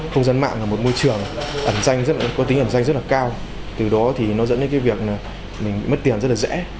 không dân mạng là một môi trường có tính ẩn danh rất cao từ đó nó dẫn đến việc mình mất tiền rất dễ